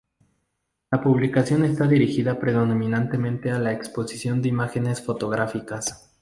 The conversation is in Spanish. La publicación está dirigida predominantemente a la exposición de imágenes fotográficas.